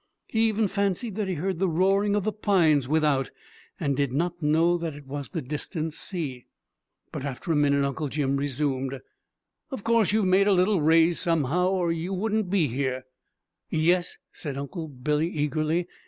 He even fancied that he heard the roaring of the pines without, and did not know that it was the distant sea. But after a minute Uncle Jim resumed: "Of course you've made a little raise somehow, or you wouldn't be here?" "Yes," said Uncle Billy eagerly.